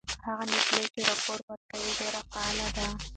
هغه نجلۍ چې راپور ورکوي ډېره فعاله ده.